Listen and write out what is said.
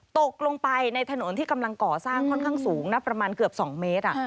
ตกลงไปในถนนที่กำลังก่อสร้างค่อนข้างสูงนะประมาณเกือบ๒เมตร